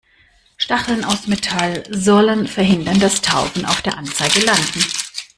Stacheln aus Metall sollen verhindern, dass Tauben auf der Anzeige landen.